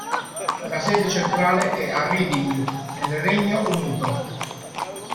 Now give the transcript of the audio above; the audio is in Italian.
La sede centrale è a Reading, nel Regno Unito.